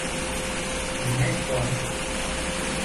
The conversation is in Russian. У меня есть план.